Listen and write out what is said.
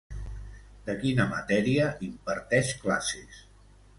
De quina matèria imparteix classes?